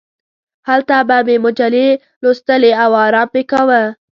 هلته به مې مجلې لوستلې او ارام مې کاوه.